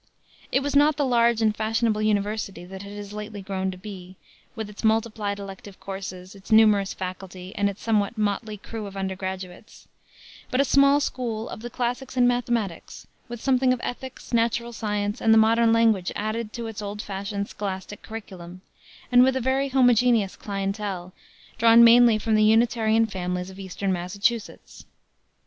It was not the large and fashionable university that it has lately grown to be, with its multiplied elective courses, its numerous faculty and its somewhat motley collection of undergraduates; but a small school of the classics and mathematics, with something of ethics, natural science and the modern languages added to its old fashioned, scholastic curriculum, and with a very homogeneous clientèle, drawn mainly from the Unitarian families of Eastern Massachusetts.